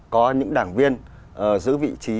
có những đảng viên giữ vị trí